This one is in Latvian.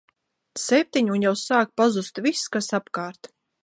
Septiņi un jau sāk pazust viss, kas apkārt.